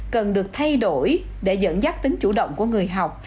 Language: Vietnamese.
cần được thay đổi để dẫn dắt tính chủ động của người học